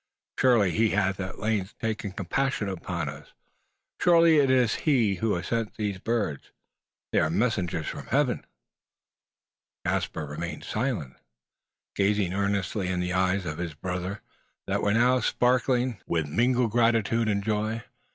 Surely He hath at length taken compassion upon us! Surely it is He who has sent these birds! They are messengers from Heaven!" Caspar remained silent, gazing earnestly in the eyes of his brother, that were now sparkling with mingled gratitude and joy.